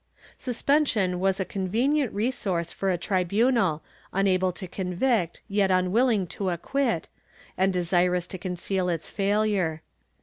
^ Suspension was a convenient resource for a tribunal, unable to convict yet unwilling to acquit, and desirous to conceal its failure.